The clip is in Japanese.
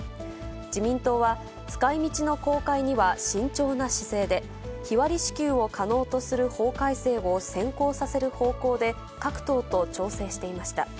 自民党は使いみちの公開には慎重な姿勢で、日割り支給を可能とする法改正を先行させる方向で各党と調整していました。